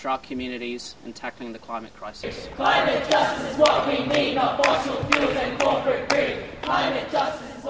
ketika kita memiliki kebijakan kita harus memiliki kebijakan